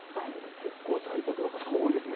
結構、在宅の方、そうですね。